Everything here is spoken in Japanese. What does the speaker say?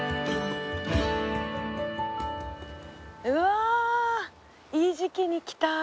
うわいい時期に来た。